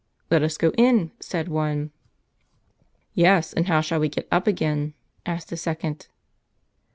"Let us go in," said one. "Yes, and how shall we get up again?" asked a second.